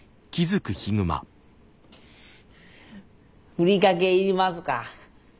ふりかけいりますか？